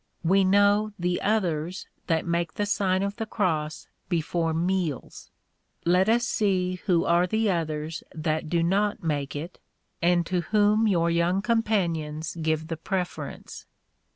We know the others that make the Sign o of the Cross before meals. Let us see who are the others that do not make it, and to whom your young companions give the pre ference.